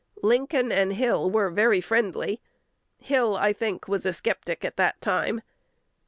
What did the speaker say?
Lincoln and Hill were very friendly. Hill, I think, was a sceptic at that time.